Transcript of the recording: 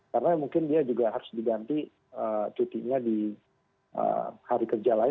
karena mungkin dia juga harus diganti cutinya di hari kerja lain